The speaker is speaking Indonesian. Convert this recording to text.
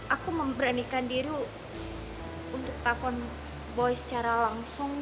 aku memberanikan diru untuk telepon boy secara langsung